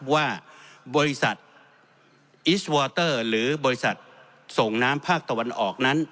ว่าบริษัทอิสวอเตอร์หรือบริษัทส่งน้ำภาคตะวันออกนั้น